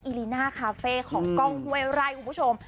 ลีน่าคาเฟ่ของกล้องห้วยไร่คุณผู้ชม